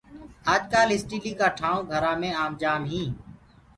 آج ڪآل اسٽيلي ڪآ ٺآئونٚ گھرآ مي آم جآم هينٚ۔